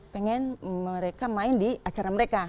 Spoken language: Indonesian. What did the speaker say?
pengen mereka main di acara mereka